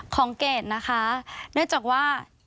เกดค่ะ